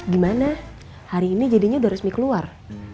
gimana hari ini jadinya udah resmi keluar